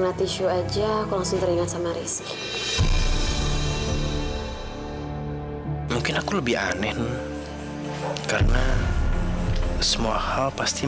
itu akan pernah kesampaian